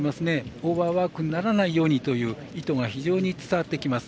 オーバーワークにならないようにという意図が非常に伝わってきます。